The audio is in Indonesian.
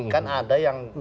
kan ada yang